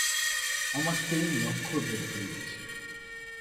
আমার তীর লক্ষ্য ভেদ করিয়াছে।